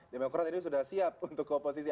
demokrasi ini sudah siap untuk komposisi